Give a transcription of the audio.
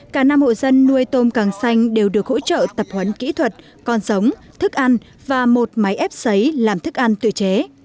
cả năm hộ dân nuôi tôm càng xanh đều được hỗ trợ tập huấn kỹ thuật con giống thức ăn và một máy ép xấy làm thức ăn tự chế